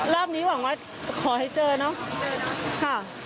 รอบนี้หวังว่าขอให้เจอเนอะขอให้เจอเนอะค่ะ